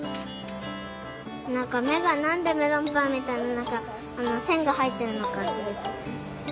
なんかめがなんでメロンパンみたいななんかせんがはいってるのかしりたい。